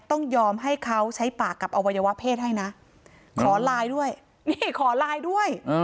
ต้องยอมให้เขาใช้ปากกับอวัยวะเพศให้นะขอไลน์ด้วยนี่ขอไลน์ด้วย